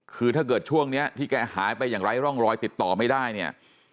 คือถ้าเกิดช่วงนี้ที่แกหายไปอย่างไร้ร่องรอยติดต่อไม่ได้เนี่ย